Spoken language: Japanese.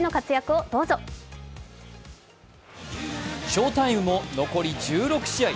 翔タイムも残り１６試合。